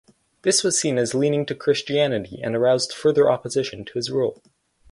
This was seen as leaning to Christianity and aroused further opposition to his rule.